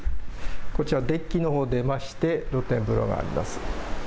こちらデッキのほう出まして露天風呂があります。